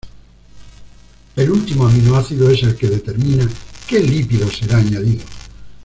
El último aminoácido es el que determina que lípido será añadido.